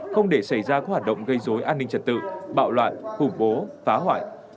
không để xảy ra các hoạt động gây dối an ninh trật tự bạo loạn khủng bố phá hoại